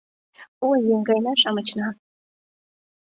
Ой, еҥгайна-шамычна